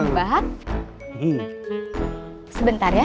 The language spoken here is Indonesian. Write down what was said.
susah jatuh juga bisa aja